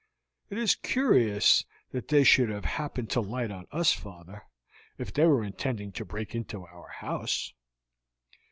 "It is curious that they should have happened to light on us, father, if they were intending to break into our house."